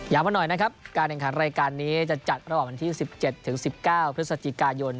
มาหน่อยนะครับการแข่งขันรายการนี้จะจัดระหว่างวันที่๑๗ถึง๑๙พฤศจิกายน